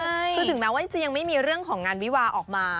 คือถึงแม้ว่าจะยังไม่มีเรื่องของงานวิวาออกมา